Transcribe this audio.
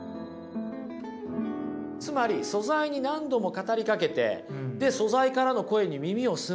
つまり素材に何度も語りかけて素材からの声に耳を澄ます。